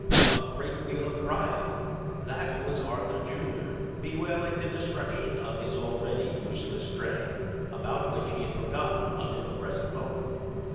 A great deal of crying! That was Arthur, Jr., bewailing the destruction of his already useless train, about which he had forgotten until the present moment.